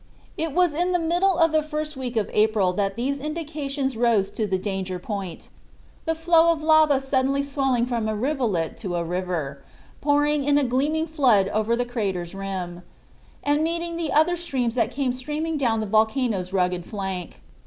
It was in the middle of the first week of April that these indications rose to the danger point, the flow of lava suddenly swelling from a rivulet to a river, pouring in a gleaming flood over the crater's rim, and meeting the other streams that came streaming down the volcano's rugged flank.